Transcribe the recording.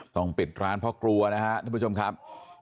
ปิดร้านเพราะกลัวนะครับทุกผู้ชมครับ